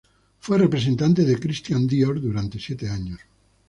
Fue representante de Cristian Dior durante siete años.